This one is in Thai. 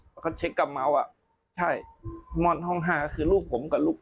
ไปแล้วครับไปเจอลูกที่